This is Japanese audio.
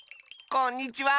こんにちは！